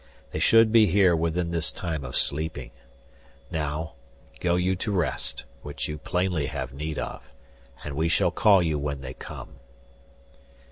They should be here within this time of sleeping. Now, go you to rest, which you plainly have need of, and we shall call you when they come."